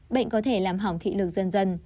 bệnh có thể làm hỏng thị lực dần dần